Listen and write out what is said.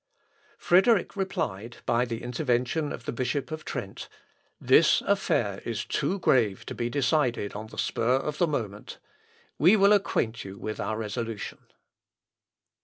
Frederick replied, by the intervention of the Bishop of Trent, "This affair is too grave to be decided on the spur of the moment. We will acquaint you with our resolution."